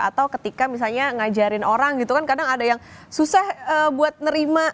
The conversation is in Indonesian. atau ketika misalnya ngajarin orang gitu kan kadang ada yang susah buat nerima